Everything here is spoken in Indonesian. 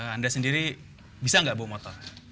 anda sendiri bisa nggak bawa motor